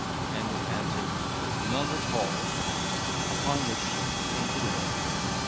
and was answered, "None at all." Upon which she fainted away.